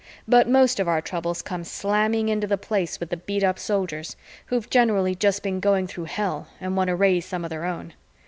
But most of our troubles come slamming into the Place with the beat up Soldiers, who've generally just been going through hell and want to raise some of their own.